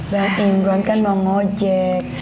berarti imran kan mau ngojek